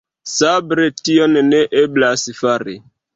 Sobre tion ne eblas fari.